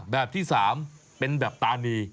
แบบที่๓เป็นแบบตานี